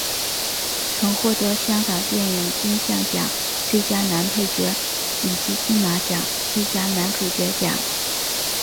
曾获得香港电影金像奖最佳男配角以及金马奖最佳男主角奖。